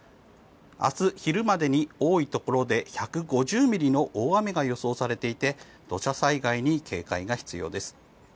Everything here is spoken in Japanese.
明日昼までに多いところで１５０ミリの大雨が予想されていて土砂災害に警戒が必要です。